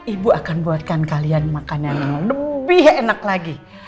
ibu akan buatkan kalian makanan yang lebih enak lagi